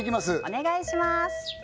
お願いします